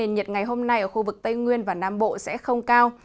này hôm nay khu vực tây nguyên và nam bộ sẽ không cao